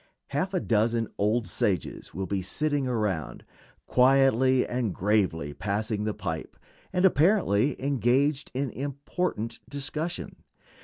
Half a dozen old sages will be sitting around, quietly and gravely passing the pipe, and apparently engaged in important discussion.